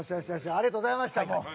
ありがとうございましたもう。